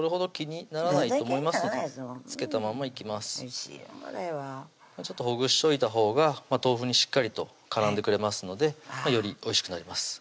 これはちょっとほぐしといたほうが豆腐にしっかりと絡んでくれますのでよりおいしくなります